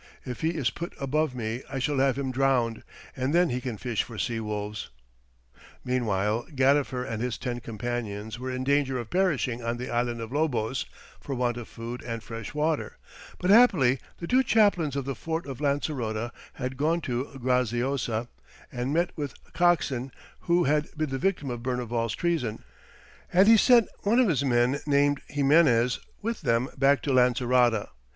If he is put above me I shall have him drowned, and then he can fish for sea wolves." Meanwhile, Gadifer and his ten companions were in danger of perishing on the island of Lobos for want of food and fresh water, but happily the two chaplains of the fort of Lancerota had gone to Graziosa, and met the coxswain, who had been the victim of Berneval's treason, and he sent one of his men named Ximenes with them back to Lancerota.